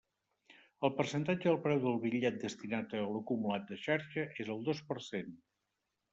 El percentatge del preu del bitllet destinat a l'acumulat de xarxa és del dos per cent.